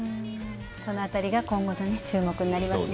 その辺りが今後注目になりますね。